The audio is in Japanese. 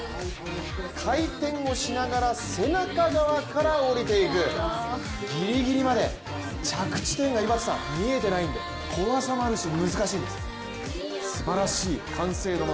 回転をしながら背中側から降りていく、ギリギリまで、着地点が見えていないんで小技もあるし、難しいです。